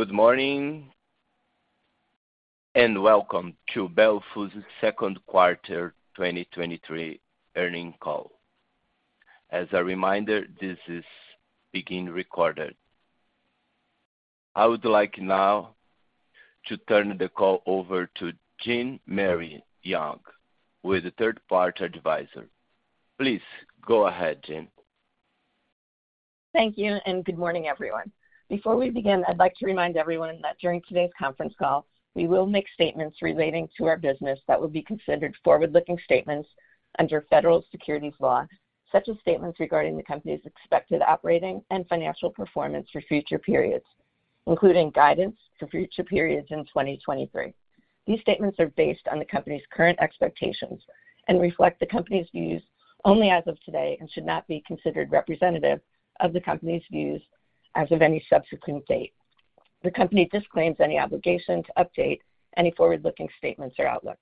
Good morning, welcome to Bel Fuse's second quarter 2023 earnings call. As a reminder, this is being recorded. I would like now to turn the call over to Jean Marie Young, with the third-party advisor. Please go ahead, Jean. Thank you. Good morning, everyone. Before we begin, I'd like to remind everyone that during today's conference call, we will make statements relating to our business that would be considered forward-looking statements under federal securities law, such as statements regarding the company's expected operating and financial performance for future periods, including guidance for future periods in 2023. These statements are based on the company's current expectations and reflect the company's views only as of today. Should not be considered representative of the company's views as of any subsequent date. The company disclaims any obligation to update any forward-looking statements or outlook.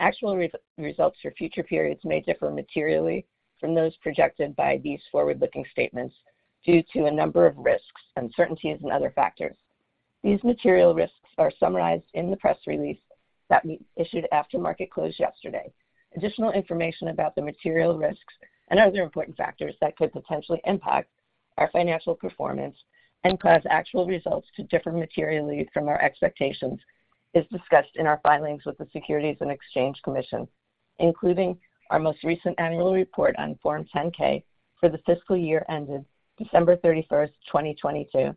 Actual results for future periods may differ materially from those projected by these forward-looking statements due to a number of risks, uncertainties, and other factors. These material risks are summarized in the press release that we issued after market close yesterday. Additional information about the material risks and other important factors that could potentially impact our financial performance and cause actual results to differ materially from our expectations is discussed in our filings with the Securities and Exchange Commission, including our most recent annual report on Form 10-K for the fiscal year ended December 31, 2022,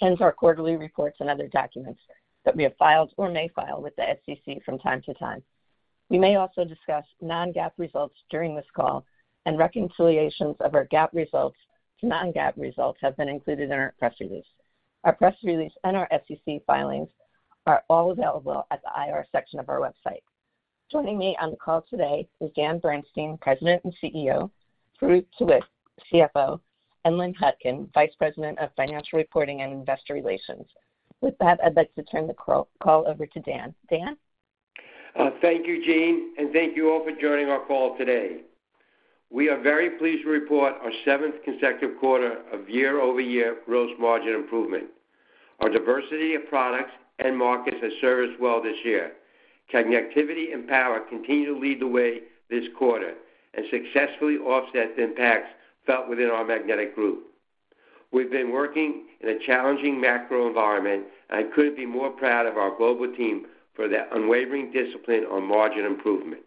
and our quarterly reports and other documents that we have filed or may file with the SEC from time to time. We may also discuss non-GAAP results during this call, and reconciliations of our GAAP results to non-GAAP results have been included in our press release. Our press release and our SEC filings are all available at the IR section of our website. Joining me on the call today is Daniel Bernstein, President and CEO, Farouq Tuweiq, CFO, and Lynn Hutkin, Vice President of Financial Reporting and Investor Relations. With that, I'd like to turn the call over to Dan. Dan? Thank you, Jean, and thank you all for joining our call today. We are very pleased to report our seventh consecutive quarter of year-over-year gross margin improvement. Our diversity of products and markets has served us well this year. Connectivity and power continue to lead the way this quarter and successfully offset the impacts felt within our magnetic group. We've been working in a challenging macro environment, and I couldn't be more proud of our global team for their unwavering discipline on margin improvement.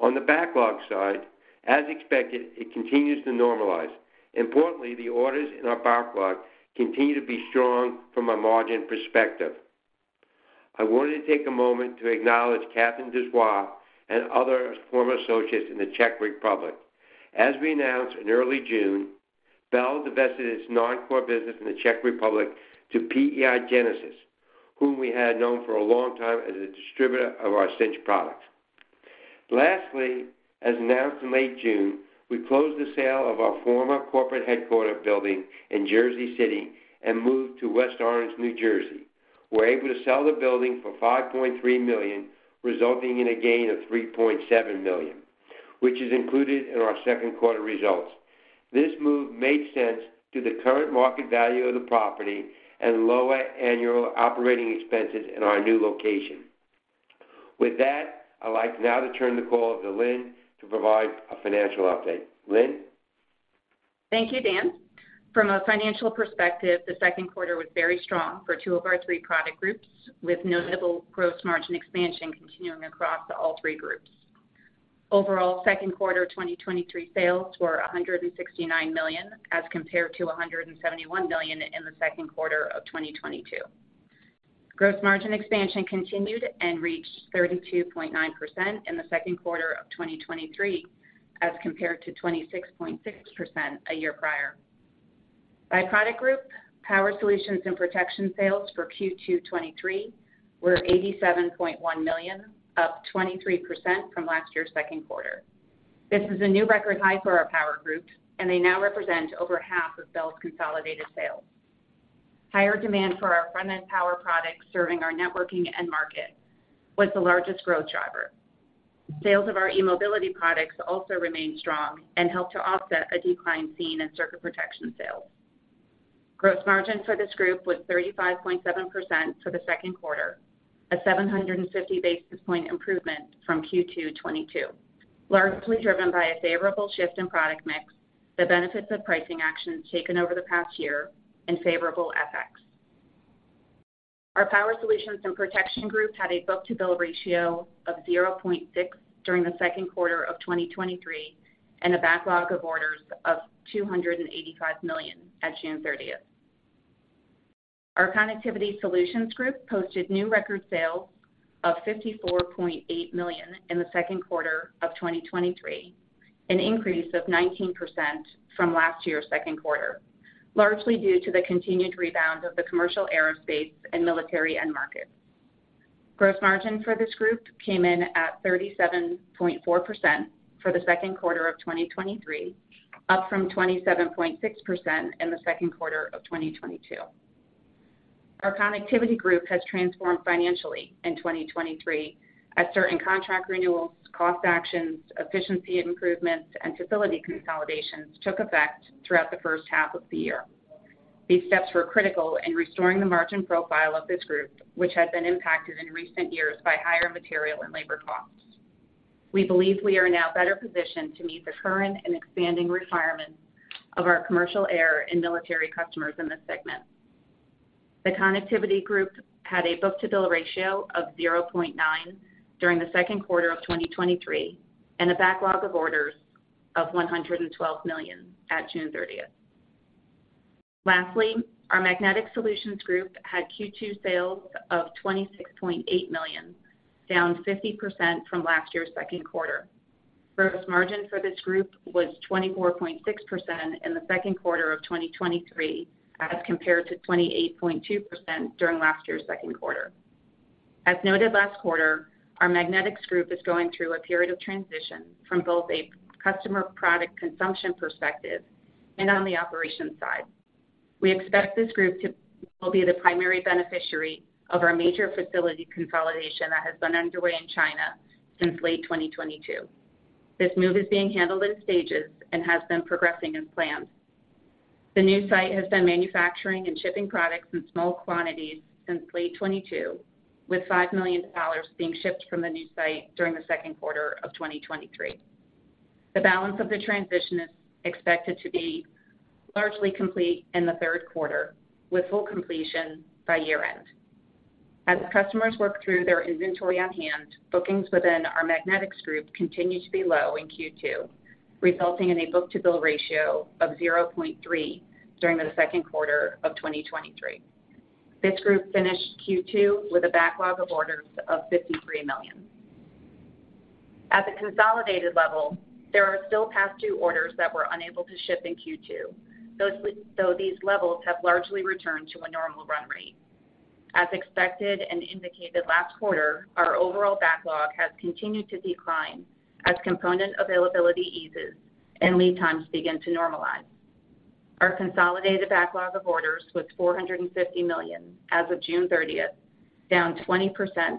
On the backlog side, as expected, it continues to normalize. Importantly, the orders in our backlog continue to be strong from a margin perspective. I wanted to take a moment to acknowledge Catherine Dussoix and other former associates in the Czech Republic. As we announced in early June, Bel divested its non-core business in the Czech Republic to PEI-Genesis, whom we had known for a long time as a distributor of our Cinch products. Lastly, as announced in late June, we closed the sale of our former corporate headquarter building in Jersey City and moved to West Orange, New Jersey. We're able to sell the building for $5.3 million, resulting in a gain of $3.7 million, which is included in our second quarter results. This move made sense to the current market value of the property and lower annual operating expenses in our new location. With that, I'd like now to turn the call over to Lynn to provide a financial update. Lynn? Thank you, Dan. From a financial perspective, the second quarter was very strong for two of our three product groups, with notable gross margin expansion continuing across all three groups. Overall, second quarter 2023 sales were $169 million, as compared to $171 million in the second quarter of 2022. Gross margin expansion continued and reached 32.9% in the second quarter of 2023, as compared to 26.6% a year prior. By product group, Power Solutions and Protection sales for Q2 2023 were $87.1 million, up 23% from last year's second quarter. This is a new record high for our power group, and they now represent over half of Bel's consolidated sales. Higher demand for our front-end power products, serving our networking end market, was the largest growth driver. Sales of our eMobility products also remained strong and helped to offset a decline seen in circuit protection sales. Gross margin for this group was 35.7% for the second quarter, a 750 basis point improvement from Q2 2022, largely driven by a favorable shift in product mix, the benefits of pricing actions taken over the past year, and favorable FX. Our Power Solutions and Protection Group had a book-to-bill ratio of 0.6 during the second quarter of 2023, and a backlog of orders of $285 million at June 30th. Our Connectivity Solutions Group posted new record sales of $54.8 million in the second quarter of 2023, an increase of 19% from last year's second quarter, largely due to the continued rebound of the commercial aerospace and military end market. Gross margin for this group came in at 37.4% for the second quarter of 2023, up from 27.6% in the second quarter of 2022. Our Connectivity Group has transformed financially in 2023 as certain contract renewals, cost actions, efficiency improvements, and facility consolidations took effect throughout the first half of the year. These steps were critical in restoring the margin profile of this group, which had been impacted in recent years by higher material and labor costs. We believe we are now better positioned to meet the current and expanding requirements of our commercial air and military customers in this segment. The Connectivity Group had a book-to-bill ratio of 0.9 during the second quarter of 2023, and a backlog of orders of $112 million at June 30th. Lastly, our Magnetic Solutions Group had Q2 sales of $26.8 million, down 50% from last year's second quarter. Gross margin for this group was 24.6% in the second quarter of 2023, as compared to 28.2% during last year's second quarter. As noted last quarter, our Magnetics Group is going through a period of transition from both a customer product consumption perspective and on the operations side. We expect this group will be the primary beneficiary of our major facility consolidation that has been underway in China since late 2022. This move is being handled in stages and has been progressing as planned. The new site has been manufacturing and shipping products in small quantities since late 2022, with $5 million being shipped from the new site during the second quarter of 2023. The balance of the transition is expected to be largely complete in the third quarter, with full completion by year-end. As customers work through their inventory on hand, bookings within our Magnetics Group continue to be low in Q2, resulting in a book-to-bill ratio of 0.3 during the second quarter of 2023. This group finished Q2 with a backlog of orders of $53 million. At the consolidated level, there are still past due orders that were unable to ship in Q2, though these levels have largely returned to a normal run rate. As expected and indicated last quarter, our overall backlog has continued to decline as component availability eases and lead times begin to normalize. Our consolidated backlog of orders was $450 million as of June 30th, down 20%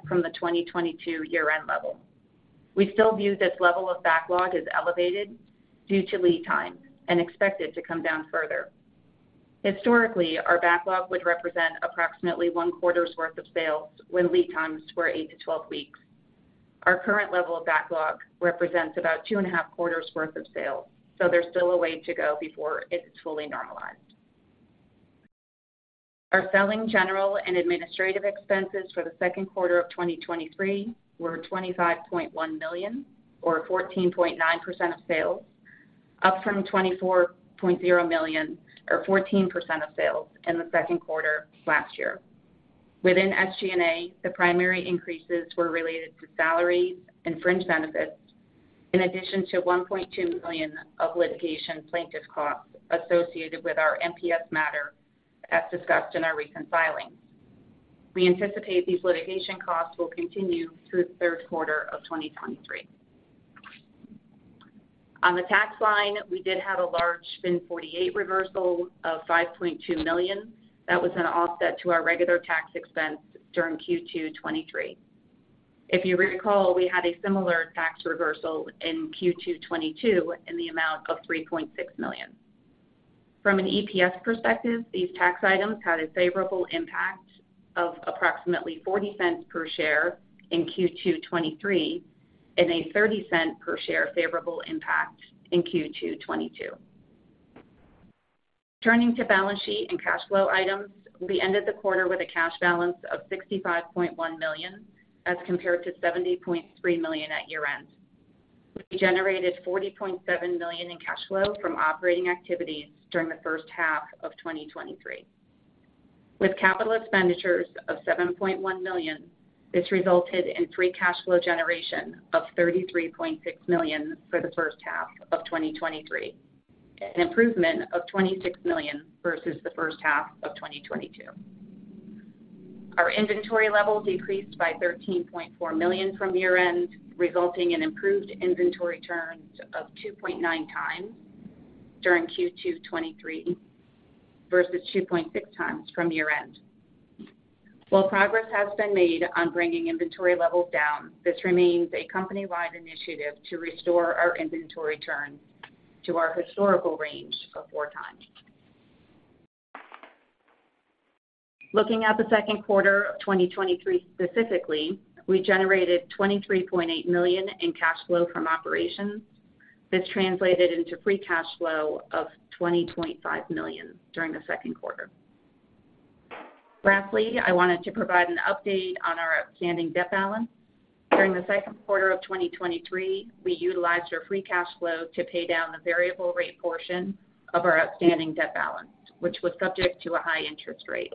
from the 2022 year-end level. We still view this level of backlog as elevated due to lead time and expect it to come down further. Historically, our backlog would represent approximately one quarter's worth of sales when lead times were eight to 12 weeks. Our current level of backlog represents about two and a half quarters worth of sales. There's still a way to go before it's fully normalized. Our selling general and administrative expenses for the second quarter of 2023 were $25.1 million, or 14.9% of sales, up from $24.0 million, or 14% of sales, in the second quarter last year. Within SG&A, the primary increases were related to salaries and fringe benefits, in addition to $1.2 million of litigation plaintiff costs associated with our MPS matter, as discussed in our recent filings. We anticipate these litigation costs will continue through the third quarter of 2023. On the tax line, we did have a large FIN 48 reversal of $5.2 million. That was an offset to our regular tax expense during Q2 2023. If you recall, we had a similar tax reversal in Q2 2022 in the amount of $3.6 million. From an EPS perspective, these tax items had a favorable impact of approximately $0.40 per share in Q2 2023, and a $0.30 per share favorable impact in Q2 2022. Turning to balance sheet and cash flow items, we ended the quarter with a cash balance of $65.1 million, as compared to $70.3 million at year-end. We generated $40.7 million in cash flow from operating activities during the first half of 2023. With capital expenditures of $7.1 million, this resulted in free cash flow generation of $33.6 million for the first half of 2023, an improvement of $26 million versus the first half of 2022. Our inventory level decreased by $13.4 million from year-end, resulting in improved inventory turns of 2.9 times during Q2 2023, versus 2.6x from year-end. While progress has been made on bringing inventory levels down, this remains a company-wide initiative to restore our inventory turn to our historical range of 4 times. Looking at the second quarter of 2023 specifically, we generated $23.8 million in cash flow from operations. This translated into free cash flow of $20.5 million during the second quarter. Lastly, I wanted to provide an update on our outstanding debt balance. During 2Q 2023, we utilized our free cash flow to pay down the variable rate portion of our outstanding debt balance, which was subject to a high interest rate.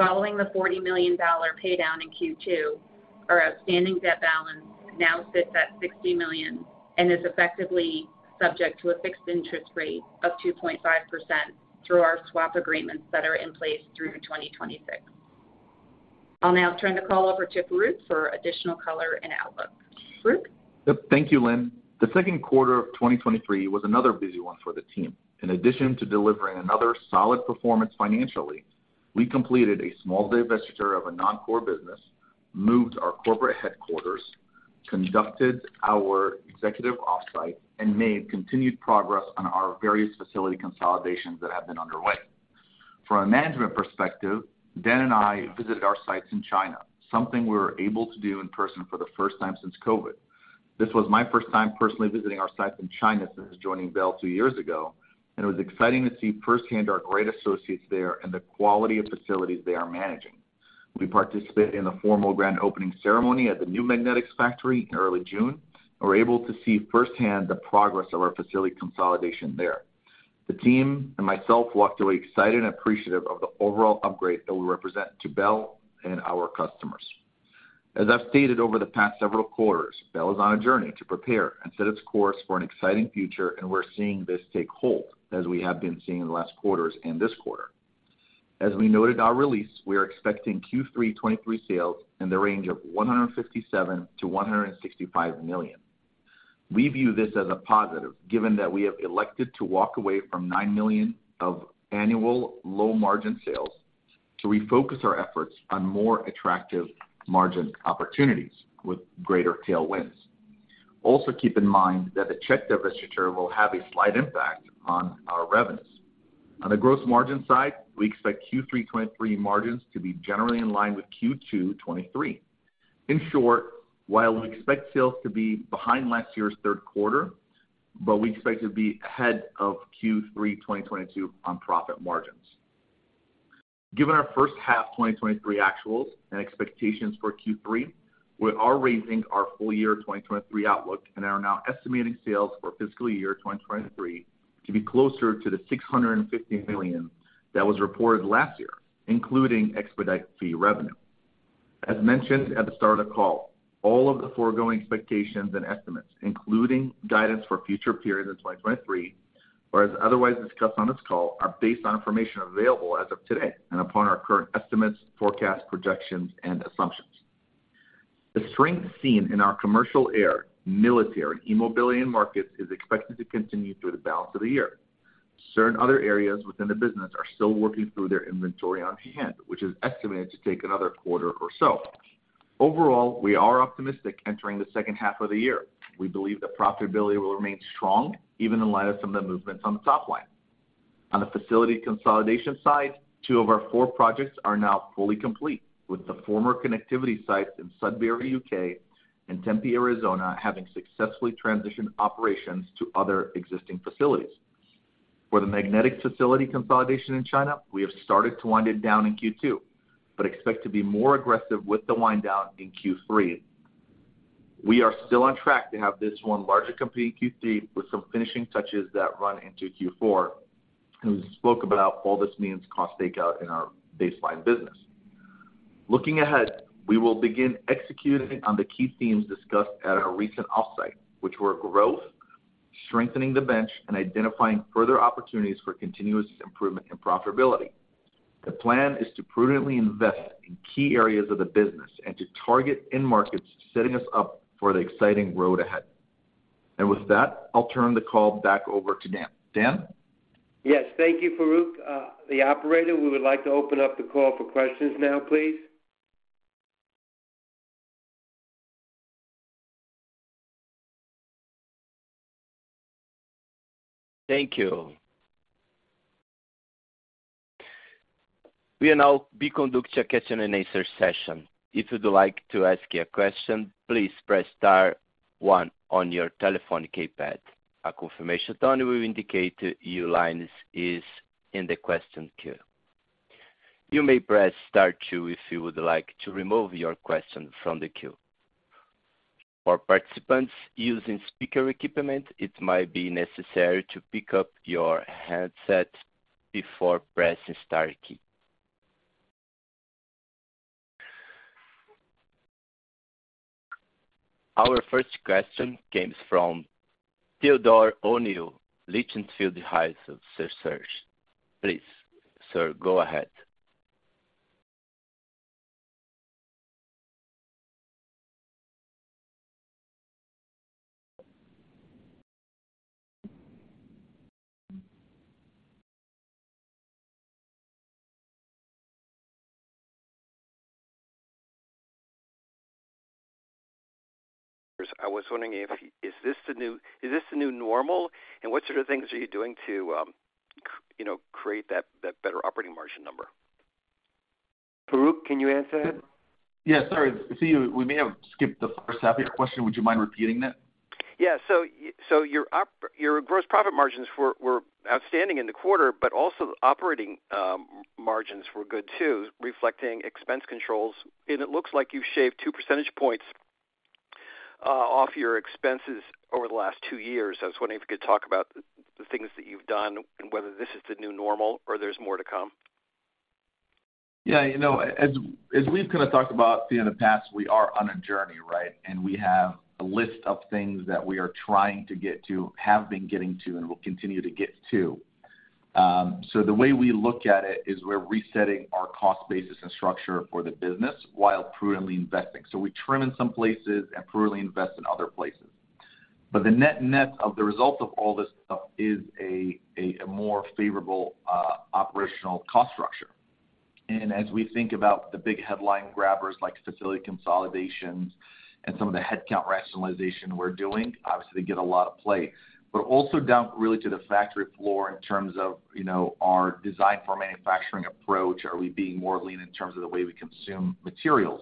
Following the $40 million pay down in Q2, our outstanding debt balance now sits at $60 million and is effectively subject to a fixed interest rate of 2.5% through our swap agreements that are in place through 2026. I'll now turn the call over to Farouq Tuweiq for additional color and outlook. Farouq? Yep. Thank you, Lynn. The second quarter of 2023 was another busy one for the team. In addition to delivering another solid performance financially, we completed a small divestiture of a non-core business, moved our corporate headquarters, conducted our executive offsite and made continued progress on our various facility consolidations that have been underway. From a management perspective, Dan and I visited our sites in China, something we were able to do in person for the first time since COVID. This was my first time personally visiting our sites in China since joining Bel Fuse two years ago, and it was exciting to see firsthand our great associates there and the quality of facilities they are managing. We participated in the formal grand opening ceremony at the new Magnetics factory in early June, and were able to see firsthand the progress of our facility consolidation there. The team and myself walked away excited and appreciative of the overall upgrade that we represent to Bel Fuse and our customers. As I've stated over the past several quarters, Bel Fuse is on a journey to prepare and set its course for an exciting future, and we're seeing this take hold as we have been seeing in the last quarters and this quarter. As we noted our release, we are expecting Q3 2023 sales in the range of $157 million-$165 million. We view this as a positive, given that we have elected to walk away from $9 million of annual low-margin sales to refocus our efforts on more attractive margin opportunities with greater tailwinds. Keep in mind that the Czech divestiture will have a slight impact on our revenues. On the gross margin side, we expect Q3 2023 margins to be generally in line with Q2 2023. In short, while we expect sales to be behind last year's third quarter, we expect to be ahead of Q3 2022 on profit margins. Given our first half 2023 actuals and expectations for Q3, we are raising our full year 2023 outlook and are now estimating sales for fiscal year 2023 to be closer to the $650 million that was reported last year, including expedite fee revenue. As mentioned at the start of the call, all of the foregoing expectations and estimates, including guidance for future periods in 2023 or as otherwise discussed on this call, are based on information available as of today and upon our current estimates, forecasts, projections, and assumptions. The strength seen in our commercial air, military, and eMobility markets is expected to continue through the balance of the year. Certain other areas within the business are still working through their inventory on hand, which is estimated to take another quarter or so. Overall, we are optimistic entering the second half of the year. We believe that profitability will remain strong, even in light of some of the movements on the top line. On the facility consolidation side, two of our four projects are now fully complete, with the former connectivity sites in Sudbury, U.K., and Tempe, Arizona, having successfully transitioned operations to other existing facilities. For the magnetic facility consolidation in China, we have started to wind it down in Q2, but expect to be more aggressive with the wind down in Q3. We are still on track to have this one largely complete in Q3, with some finishing touches that run into Q4. We spoke about all this means cost takeout in our baseline business. Looking ahead, we will begin executing on the key themes discussed at our recent offsite, which were growth, strengthening the bench, and identifying further opportunities for continuous improvement and profitability. The plan is to prudently invest in key areas of the business and to target end markets, setting us up for the exciting road ahead. With that, I'll turn the call back over to Dan. Dan? Yes, thank you, Farouq. The operator, we would like to open up the call for questions now, please. Thank you. We will now be conducting a question and answer session. If you would like to ask a question, please press star one on your telephone keypad. A confirmation tone will indicate your line is in the question queue. You may press star two if you would like to remove your question from the queue. For participants using speaker equipment, it might be necessary to pick up your handset before pressing star key. Our first question comes from Theodore O'Neill, Litchfield Hills Research. Please, sir, go ahead. I was wondering if, is this the new normal? What sort of things are you doing to, you know, create that better operating margin number? Farooq, can you answer that? Yeah, sorry. I see we may have skipped the first half of your question. Would you mind repeating that? Yeah. Your gross profit margins were outstanding in the quarter, also the operating margins were good, too, reflecting expense controls. It looks like you've shaved 2 percentage points off your expenses over the last two years. I was wondering if you could talk about the things that you've done and whether this is the new normal or there's more to come. Yeah, you know, as we've kind of talked about in the past, we are on a journey, right? We have a list of things that we are trying to get to, have been getting to, and will continue to get to. The way we look at it is we're resetting our cost basis and structure for the business while prudently investing. We trim in some places and prudently invest in other places. The net-net of the result of all this stuff is a more favorable operational cost structure. As we think about the big headline grabbers, like facility consolidations and some of the headcount rationalization we're doing, obviously, they get a lot of play. Also down really to the factory floor in terms of, you know, our design for manufacturing approach, are we being more lean in terms of the way we consume materials,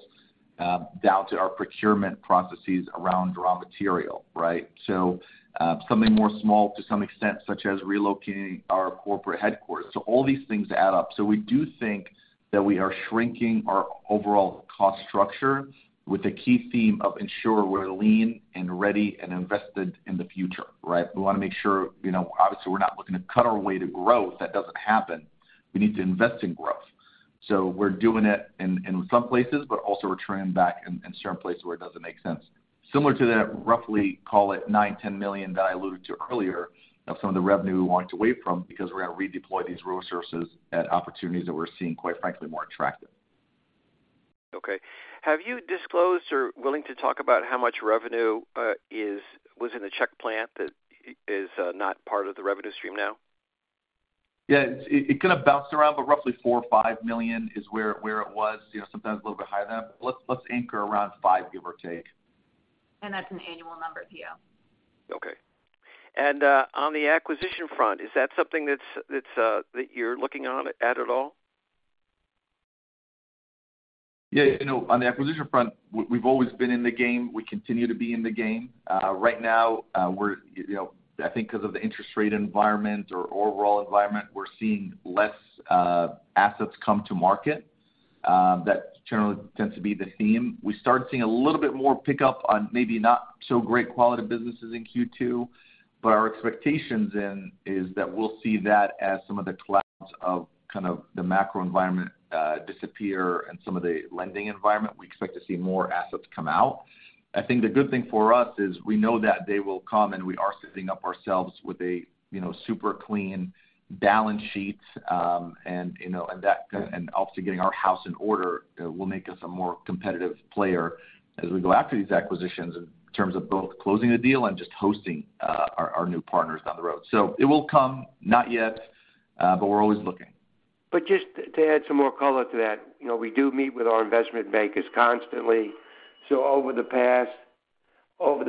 down to our procurement processes around raw material, right? Something more small to some extent, such as relocating our corporate headquarters. All these things add up. We do think that we are shrinking our overall cost structure with the key theme of ensure we're lean and ready and invested in the future, right? We wanna make sure, you know, obviously, we're not looking to cut our way to growth. That doesn't happen. We need to invest in growth. We're doing it in, in some places, but also we're trending back in, in certain places where it doesn't make sense. Similar to that, roughly call it $9, $10 million that I alluded to earlier, of some of the revenue we wanted to wait from, because we're gonna redeploy these resources at opportunities that we're seeing, quite frankly, more attractive. Okay. Have you disclosed or willing to talk about how much revenue was in the Czech plant that is not part of the revenue stream now? It kind of bounced around, but roughly $4 million or $5 million is where it was, you know, sometimes a little bit higher than that. Let's anchor around $5 million, give or take. That's an annual number, Theo. Okay. On the acquisition front, is that something that's that you're looking on at all? Yeah, you know, on the acquisition front, we've always been in the game. We continue to be in the game. Right now, we're, you know, I think because of the interest rate environment or overall environment, we're seeing less assets come to market. That generally tends to be the theme. We started seeing a little bit more pickup on maybe not so great quality businesses in Q2. Our expectations then, is that we'll see that as some of the clouds of kind of the macro environment disappear and some of the lending environment, we expect to see more assets come out. I think the good thing for us is we know that they will come, and we are setting up ourselves with a, you know, super clean balance sheet, and, you know, obviously, getting our house in order, will make us a more competitive player as we go after these acquisitions in terms of both closing the deal and just hosting, our, our new partners down the road. It will come, not yet, but we're always looking. Just to add some more color to that, you know, we do meet with our investment bankers constantly. Over the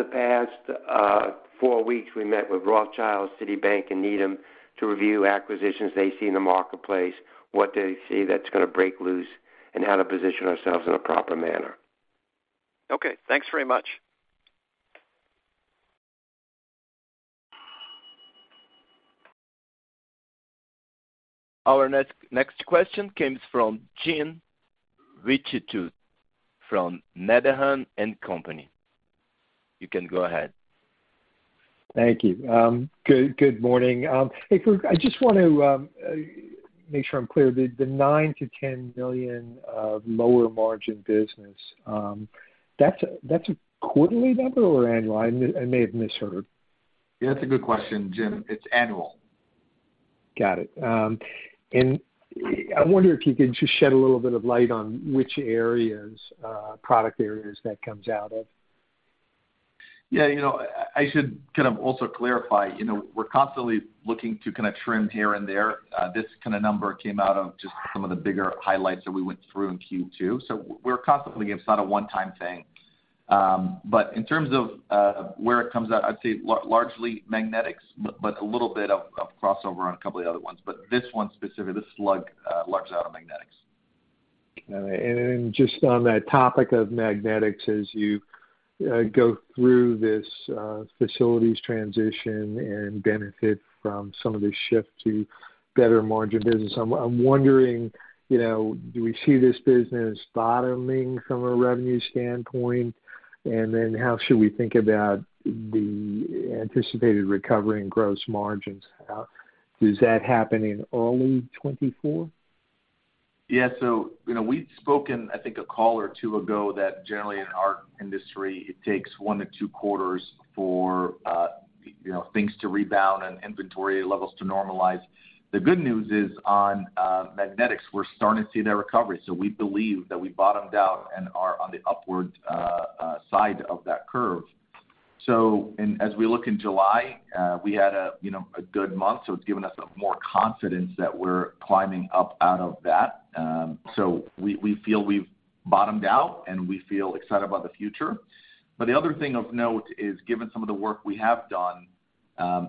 past four weeks, we met with Rothschild, Citibank, and Needham to review acquisitions they see in the marketplace, what they see that's gonna break loose, and how to position ourselves in a proper manner. Okay, thanks very much. Our next question comes from James Ricchiuti, from Needham & Company. You can go ahead. Thank you. good morning. Hey, look, I just want to make sure I'm clear. The $9 million-$10 million of lower margin business, that's a quarterly number or annual? I may have misheard. That's a good question, Jim. It's annual. Got it. I wonder if you could just shed a little bit of light on which areas, product areas that comes out of? Yeah, you know, I should kind of also clarify, you know, we're constantly looking to kind of trim here and there. This kind of number came out of just some of the bigger highlights that we went through in Q2. We're constantly, it's not a one-time thing. In terms of, where it comes out, I'd say largely Magnetics, but a little bit of crossover on a couple of the other ones. This one specifically, this slug, lugs out of Magnetics. Okay. Just on that topic of Magnetics, as you go through this facilities transition and benefit from some of the shift to better margin business, I'm wondering, you know, do we see this business bottoming from a revenue standpoint? How should we think about the anticipated recovery in gross margins? Does that happen in early 2024? Yeah. You know, we've spoken, I think, a call or 1 to 2 ago, that generally in our industry, it takes 1 to 2 quarters for, you know, things to rebound and inventory levels to normalize. The good news is on Magnetics, we're starting to see that recovery. We believe that we bottomed out and are on the upward side of that curve. As we look in July, we had a, you know, a good month, so it's given us more confidence that we're climbing up out of that. We feel we've bottomed out, and we feel excited about the future. The other thing of note is, given some of the work we have done,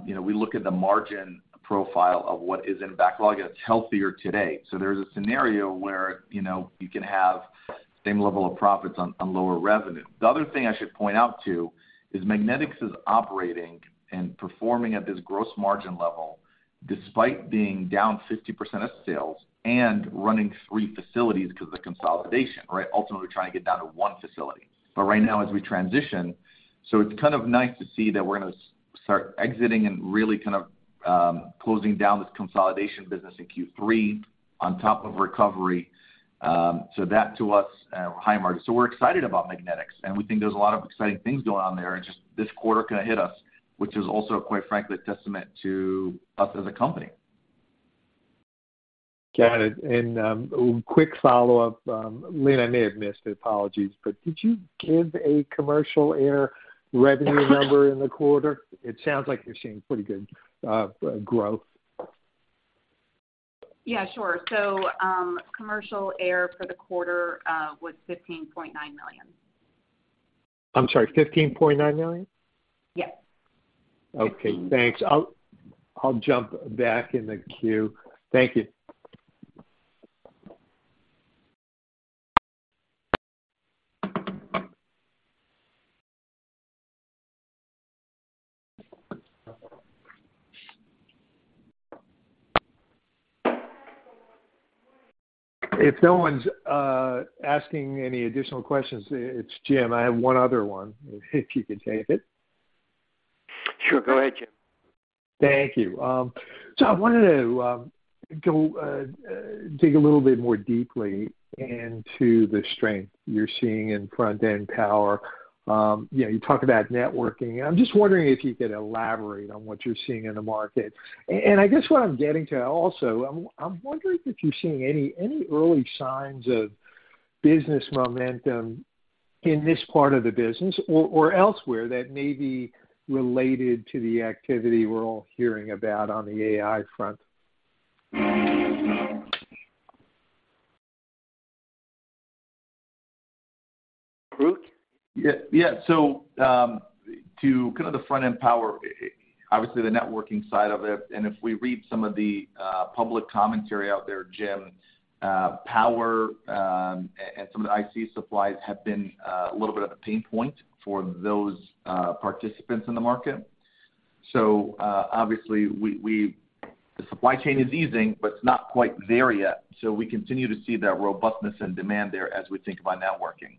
you know, we look at the margin profile of what is in backlog, and it's healthier today. There's a scenario where, you know, you can have the same level of profits on, on lower revenue. The other thing I should point out, too, is Magnetics is operating and performing at this gross margin level despite being down 50% of sales and running 3 facilities because of the consolidation, right? Ultimately, we're trying to get down to 1 facility. Right now, as we transition, it's kind of nice to see that we're gonna start exiting and really kind of, closing down this consolidation business in Q3 on top of recovery. That to us, high margin. We're excited about Magnetics, and we think there's a lot of exciting things going on there, and just this quarter kind of hit us, which is also, quite frankly, a testament to us as a company. Got it. Quick follow-up. Lynn, I may have missed it, apologies, but did you give a commercial air revenue number in the quarter? It sounds like you're seeing pretty good, growth. Yeah, sure. Commercial air for the quarter, was $15.9 million. I'm sorry, $15.9 million? Yes. Okay, thanks. I'll jump back in the queue. Thank you. If no one's asking any additional questions, it's Jim. I have one other one, if you can take it. Sure. Go ahead, Jim. Thank you. I wanted to dig a little bit more deeply into the strength you're seeing in front-end power. Yeah, you talk about networking. I'm just wondering if you could elaborate on what you're seeing in the market. I guess what I'm getting to also, I'm wondering if you're seeing any early signs of business momentum in this part of the business or elsewhere that may be related to the activity we're all hearing about on the AI front? Farooq? Yeah. Yeah. To kind of the front-end power, obviously, the networking side of it, and if we read some of the public commentary out there, Jim, power, and some of the IC supplies have been a little bit of a pain point for those participants in the market. Obviously, the supply chain is easing, but it's not quite there yet. We continue to see that robustness and demand there as we think about networking.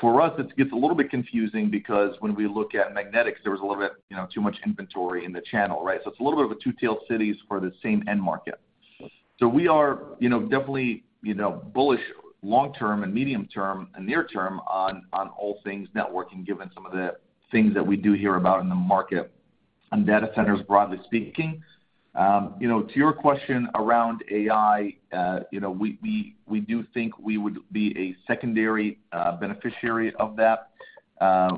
For us, it gets a little bit confusing because when we look at magnetics, there was a little bit, you know, too much inventory in the channel, right? It's a little bit of a tale of two cities for the same end market. We are, you know, definitely, you know, bullish, long-term and medium-term and near-term on, on all things networking, given some of the things that we do hear about in the market and data centers, broadly speaking. You know, to your question around AI, you know, we do think we would be a secondary beneficiary of that.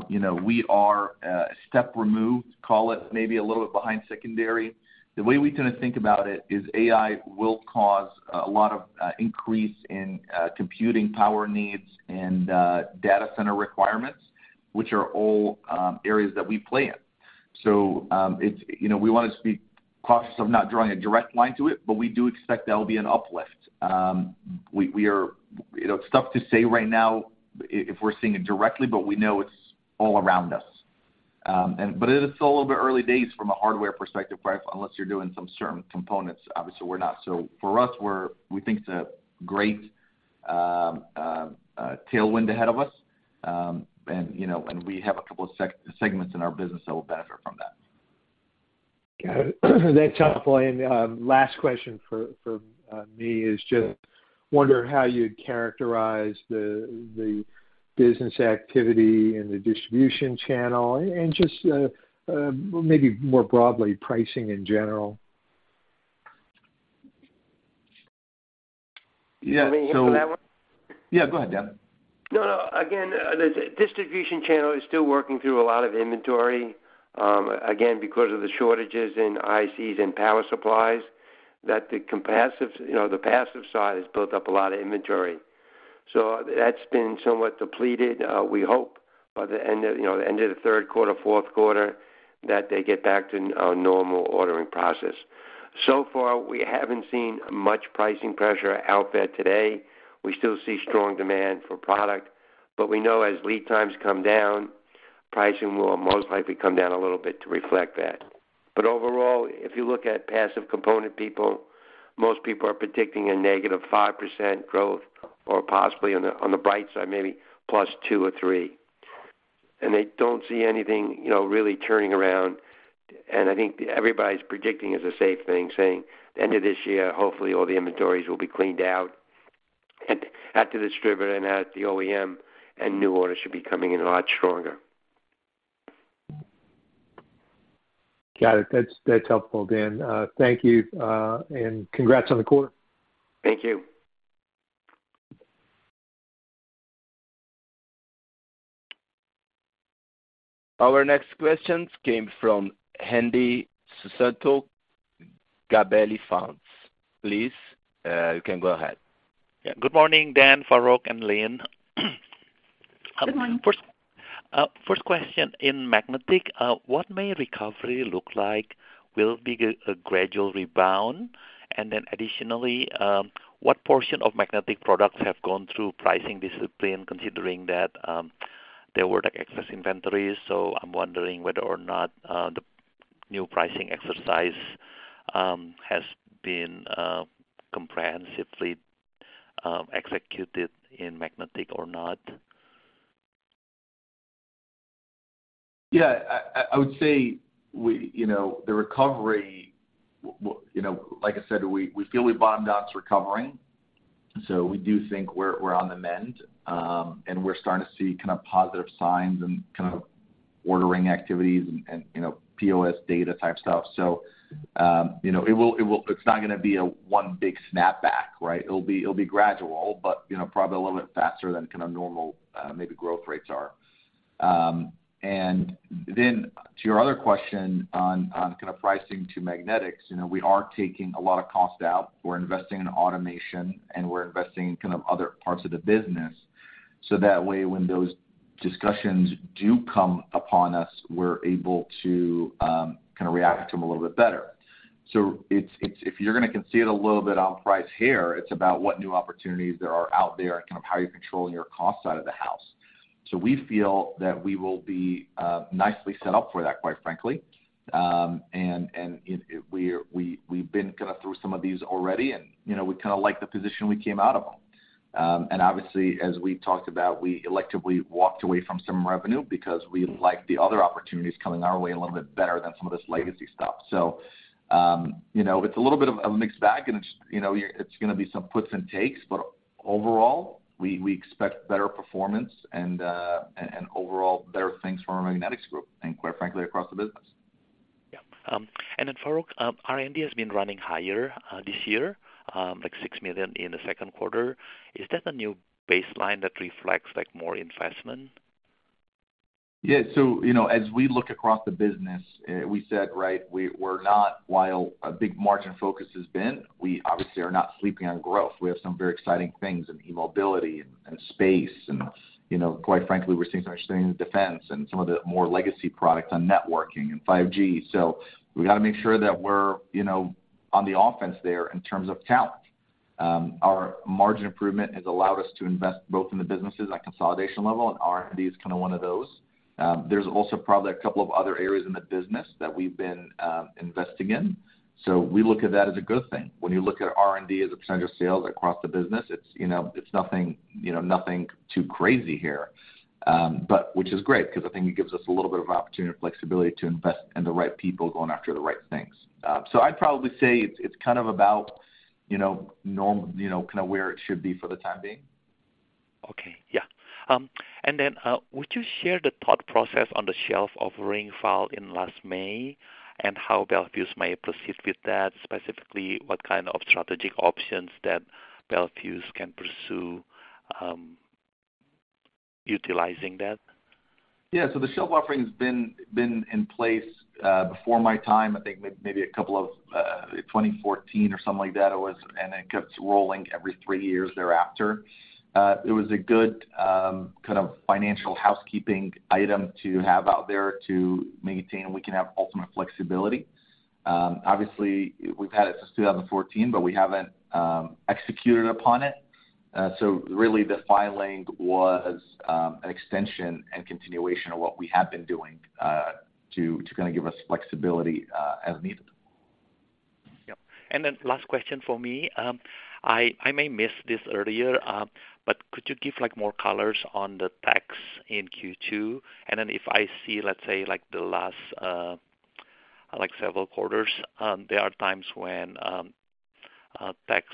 You know, we are a step removed, call it maybe a little bit behind secondary. The way we tend to think about it is AI will cause a lot of increase in computing power needs and data center requirements, which are all areas that we play in. You know, we want to be cautious of not drawing a direct line to it, but we do expect that will be an uplift. We you know, it's tough to say right now if we're seeing it directly, but we know it's all around us. It is still a little bit early days from a hardware perspective, right? Unless you're doing some certain components, obviously, we're not. For us, we think it's a great tailwind ahead of us. You know, we have a couple of segments in our business that will benefit from that. Got it. That's helpful. Last question for me is wonder how you'd characterize the business activity and the distribution channel and maybe more broadly, pricing in general. Yeah. You want me to answer that one? Yeah, go ahead, Dan. No, no. Again, the distribution channel is still working through a lot of inventory, again, because of the shortages in ICs and power supplies, that the passives, you know, the passive side has built up a lot of inventory. That's been somewhat depleted. We hope by the end of, you know, the end of the third quarter, fourth quarter, that they get back to normal ordering process. So far, we haven't seen much pricing pressure out there today. We still see strong demand for product, but we know as lead times come down, pricing will most likely come down a little bit to reflect that. Overall, if you look at passive component people, most people are predicting a negative 5% growth or possibly on the, on the bright side, maybe +2 or 3. They don't see anything, you know, really turning around. I think everybody's predicting it's a safe thing, saying, end of this year, hopefully, all the inventories will be cleaned out and at the distributor and at the OEM, and new orders should be coming in a lot stronger. Got it. That's helpful, Dan. Thank you, and congrats on the quarter. Thank you. Our next questions came from Hendi Susanto, Gabelli Funds. Please, you can go ahead. Good morning, Dan, Farooq, and Lynn. Good morning. First question in Magnetics, what may recovery look like will be a gradual rebound? Additionally, what portion of Magnetics products have gone through pricing discipline, considering that there were excess inventories? I'm wondering whether or not the new pricing exercise has been comprehensively executed in Magnetics or not. Yeah, I would say we, you know, the recovery, you know, like I said, we feel we bottomed out's recovering. We do think we're on the mend, and we're starting to see kind of positive signs and kind of ordering activities and, you know, POS data type stuff. You know, it will, it's not gonna be a one big snapback, right? It'll be gradual, but, you know, probably a little bit faster than kind of normal, maybe growth rates are. Then to your other question on kind of pricing to Magnetics, you know, we are taking a lot of cost out. We're investing in automation, and we're investing in kind of other parts of the business. That way, when those discussions do come upon us, we're able to kind of react to them a little bit better. It's if you're gonna concede a little bit on price here, it's about what new opportunities there are out there and kind of how you're controlling your cost side of the house. We feel that we will be nicely set up for that, quite frankly. And it, we're, we've been kind of through some of these already, and, you know, we kinda like the position we came out of them. Obviously, as we talked about, we electively walked away from some revenue because we like the other opportunities coming our way a little bit better than some of this legacy stuff. You know, it's a little bit of a mixed bag, and it's, you know, it's gonna be some puts and takes, but overall, we expect better performance and overall better things from our Magnetics group, and quite frankly, across the business. Yeah. Farooq, R&D has been running higher, this year, like $6 million in the second quarter. Is that a new baseline that reflects, like, more investment? Yeah. You know, as we look across the business, we said, right, we're not while a big margin focus has been, we obviously are not sleeping on growth. We have some very exciting things in eMobility and space, and, you know, quite frankly, we're seeing some exciting defense and some of the more legacy products on networking and 5G. We gotta make sure that we're, you know, on the offense there in terms of talent. Our margin improvement has allowed us to invest both in the businesses at consolidation level, and R&D is kinda one of those. There's also probably a couple of other areas in the business that we've been investing in, we look at that as a good thing. When you look at R&D as a purcentage of sales across the business, it's, you know, it's nothing, you know, nothing too crazy here. Which is great because I think it gives us a little bit of opportunity and flexibility to invest in the right people going after the right things. I'd probably say it's, it's kind of about, you know, kinda where it should be for the time being. Okay. Yeah. Would you share the thought process on the shelf offering filed in last May, and how Bel Fuse may proceed with that? Specifically, what kind of strategic options that Bel Fuse can pursue, utilizing that? The shelf offering's been in place before my time, I think maybe a couple of 2014 or something like that it was. It keeps rolling every three years thereafter. It was a good kind of financial housekeeping item to have out there to maintain, and we can have ultimate flexibility. Obviously, we've had it since 2014. We haven't executed upon it. Really, the filing was an extension and continuation of what we have been doing to kinda give us flexibility as needed. Yep. Last question for me. I, I may miss this earlier, but could you give, like, more colors on the tax in Q2? If I see, let's say, like, the last, like, several quarters, there are times when tax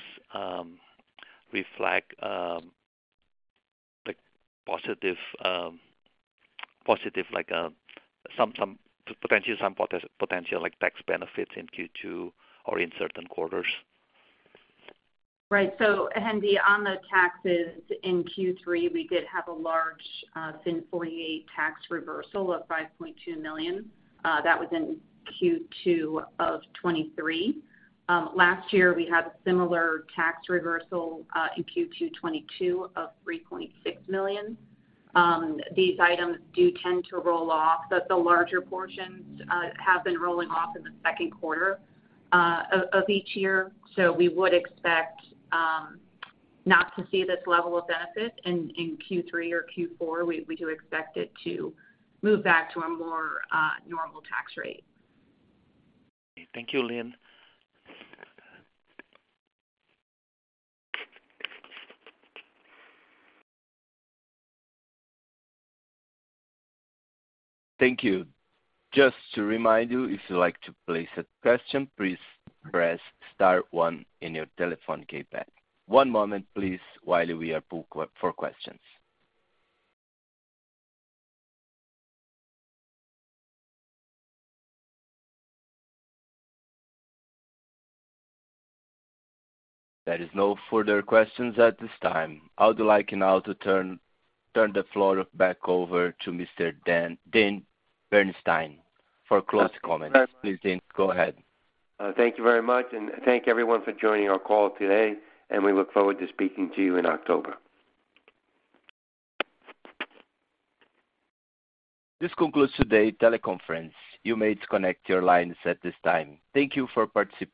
reflect like positive like some potential like tax benefits in Q2 or in certain quarters. Right. Hendi, on the taxes in Q3, we did have a large FIN 48 tax reversal of $5.2 million. That was in Q2 of 2023. Last year, we had a similar tax reversal in Q2 2022 of $3.6 million. These items do tend to roll off, the larger portions have been rolling off in the second quarter of each year. We would expect not to see this level of benefit in Q3 or Q4. We do expect it to move back to a more normal tax rate. Thank you, Lynn. Thank you. Just to remind you, if you'd like to place a question, please press star one in your telephone keypad. one moment, please, while we are pulled for questions. There is no further questions at this time. I would like now to turn the floor back over to Mr. Daniel Bernstein for closing comments. Please, Dan, go ahead. Thank you very much, and thank everyone for joining our call today, and we look forward to speaking to you in October. This concludes today's teleconference. You may disconnect your lines at this time. Thank you for participating.